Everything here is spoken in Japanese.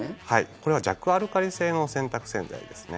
これは弱アルカリ性の洗濯洗剤ですね。